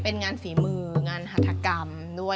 เป็นงานฝีมืองานหัฐกรรมด้วย